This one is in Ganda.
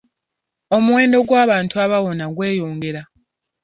Omuwendo gw'abantu abawona gweyongera.